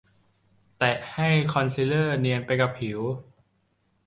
แตะให้คอนซีลเลอร์เนียนไปกับผิว